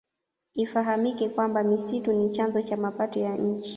Ifahamike kwamba misitu ni chanzo cha mapato ya nchi